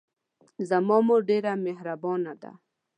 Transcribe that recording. زما مور ډېره محربانه ده